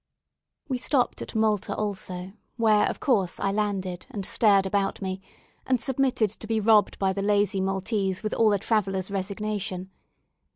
We stopped at Malta also, where, of course, I landed, and stared about me, and submitted to be robbed by the lazy Maltese with all a traveller's resignation.